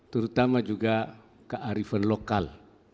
terutama juga kearifan lokal